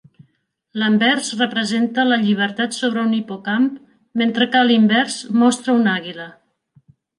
L'anvers representa la Llibertat sobre un hipocamp, mentre que a l'invers mostra una àguila.